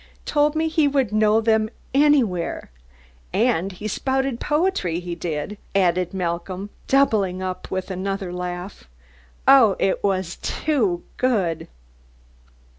Told me he would know them anywhere. And he spouted poetry, he did," added Malcolm, doubling up with another laugh. "Oh, it was too good!